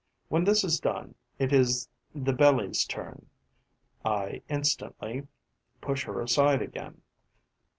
When this is done, it is the belly's turn. I instantly push her aside again.